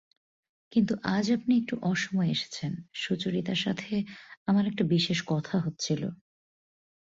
কিন্তু আজ আপনি একটু অসময়ে এসেছেন– সুচরিতার সঙ্গে আমার একটা বিশেষ কথা হচ্ছিল।